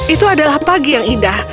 itu adalah pagi yang indah